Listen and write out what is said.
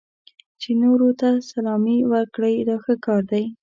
چې نورو ته سلامي وکړئ دا ښه کار دی.